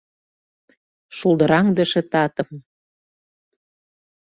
Шулдыраҥдыше татым